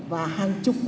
và hàng chục quốc gia